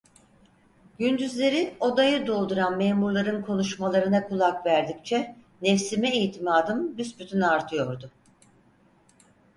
Gündüzleri odayı dolduran memurların konuşmalarına kulak verdikçe nefsime itimadım büsbütün artıyordu.